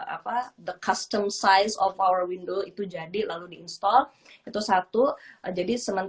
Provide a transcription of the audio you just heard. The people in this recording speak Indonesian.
apa the custom size of our window itu jadi lalu di install itu satu jadi sementara itu